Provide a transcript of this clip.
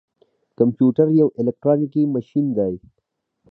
کمپيوټر يو اليکترونيکي ماشين دی.